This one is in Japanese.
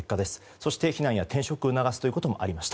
そして、避難や転職を促すということもありました。